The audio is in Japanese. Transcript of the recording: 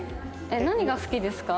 何が好きですか？